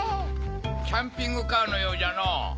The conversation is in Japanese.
キャンピングカーのようじゃのぉ。